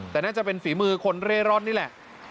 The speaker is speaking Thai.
แต่น่าจะเป็นฝีมือคนเร่ร่อนนี่แหละ